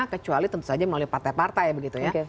kecuali tentu saja melalui partai partai begitu ya